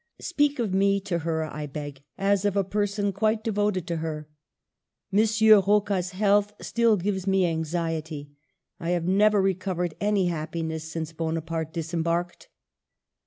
Speak of me to her, I beg, as of a person quite devoted to her. .... M. Rocca's health still gives me anxiety. I have never recovered any happiness since Bo naparte disembarked.